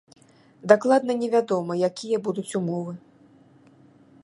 Дакладна невядома, якія будуць умовы.